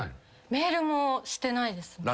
メールもしてないですね。